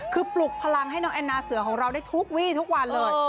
คือปลุกพลังให้น้องแอนนาเสือของเราได้ทุกวี่ทุกวันเลย